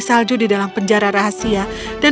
salju di dalam penjara rahasia dan